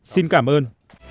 xin cảm ơn